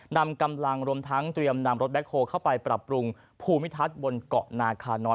นำกำลังรวมทั้งเตรียมนำรถแคคโฮลเข้าไปปรับปรุงภูมิทัศน์บนเกาะนาคาน้อย